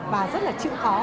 và rất là chịu khó